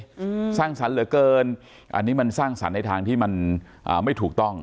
อืมสร้างสรรค์เหลือเกินอันนี้มันสร้างสรรค์ในทางที่มันอ่าไม่ถูกต้อง